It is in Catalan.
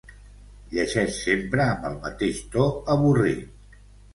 Llegeix sempre amb el mateix to avorrit